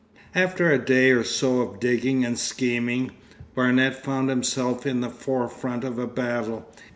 After a day or so of digging and scheming, Barnet found himself in the forefront of a battle.